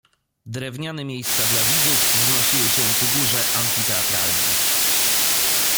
"Drewniane miejsca dla widzów wznosiły się ku górze amfiteatralnie."